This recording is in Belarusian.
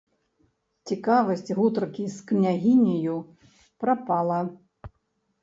Цікавасць гутаркі з княгіняю прапала.